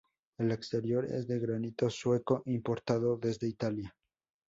El exterior es de granito sueco, importado desde Italia.